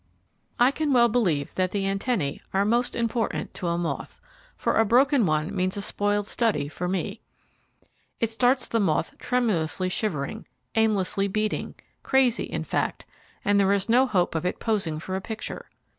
I can well believe that the antennae are most important to a moth, for a broken one means a spoiled study for me. It starts the moth tremulously shivering, aimlessly beating, crazy, in fact, and there is no hope of it posing for a picture.